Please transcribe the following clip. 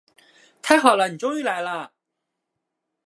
太好了，你终于来了。